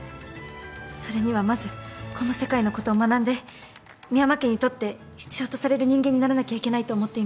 それにはまずこの世界のことを学んで深山家にとって必要とされる人間にならなきゃいけないと思っています。